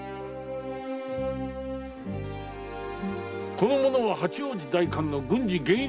この者は八王子代官の郡司源一郎。